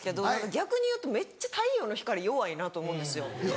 逆にいうとめっちゃ太陽の光弱いなと思うんですよ。